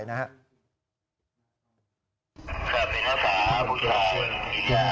เซอร์ฟนิทรศาสตร์บุคคลาวันวิทยา